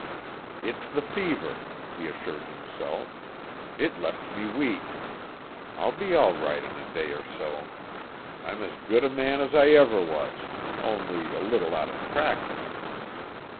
"It's the fever," he assured himself, "It left me weak. I'll be all right in a day or so. I'm as good a man as I ever was only, a little out of practice."